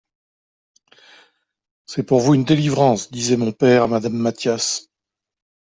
C'est pour vous une delivrance, disait mon pere a Madame Mathias.